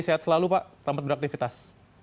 sehat selalu pak selamat beraktivitas